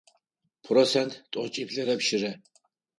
Процент тӏокӏиплӏрэ щырэ .